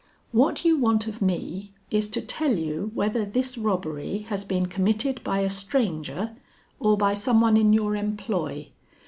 What you want of me, is to tell you whether this robbery has been committed by a stranger or by some one in your employ.